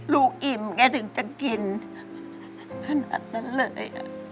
อิ่มแกถึงจะกินขนาดนั้นเลย